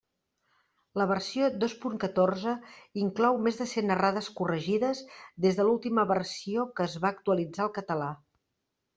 La versió dos punt catorze inclou més de cent errades corregides des de l'última versió que es va actualitzar al català.